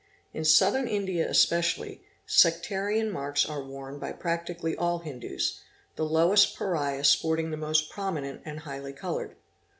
In Southern India especially, sectarian marks are worn by practically all Hindus; the lowest Pariah sporting the most prominent and highly coloured.